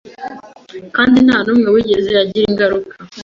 kandi nta n’umwe wigeze agira ingaruka